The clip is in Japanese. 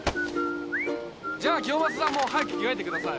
じゃあ清正さんも早く着替えてください。